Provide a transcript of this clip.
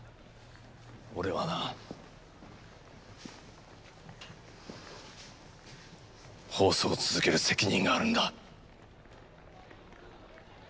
俺はな放送を続ける責任があるんだ。